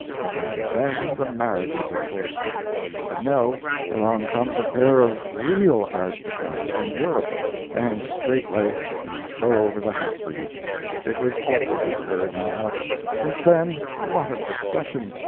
why, then the marriages, of course. But no, along comes a pair of real aristocrats from Europe, and straightway you throw over the half breeds. It was awfully discouraging, Aleck! Since then, what a procession!